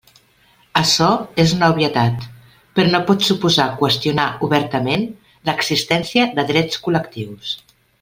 Açò és una obvietat, però no pot suposar qüestionar obertament l'existència de drets col·lectius.